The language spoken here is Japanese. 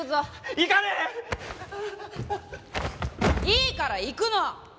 いいから行くの！